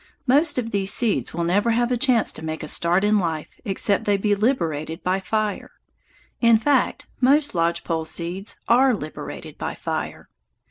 Most of these seeds will never have a chance to make a start in life except they be liberated by fire. In fact, most lodge pole seeds are liberated by fire.